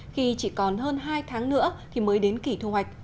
khi chỉ còn hơn hai tháng nữa thì mới đến kỷ thu hoạch